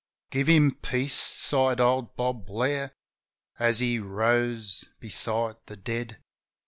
"Give him peace!" sighed old Bob Blair, As he rose beside the dead.